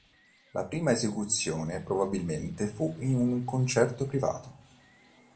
La prima esecuzione probabilmente fu in un concerto privato.